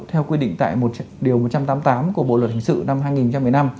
theo quy định tại một trăm tám mươi tám của bộ luật hình sự năm hai nghìn một mươi năm